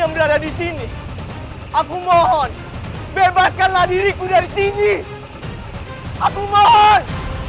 yang berada di sini aku mohon bebaskanlah diriku dari sini aku mohon